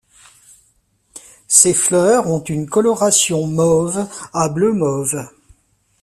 Ses fleurs ont une coloration mauve à bleu-mauve.